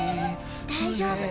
大丈夫。